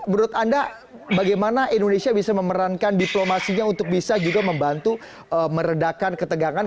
menurut anda bagaimana indonesia bisa memerankan diplomasinya untuk bisa juga membantu meredakan ketegangan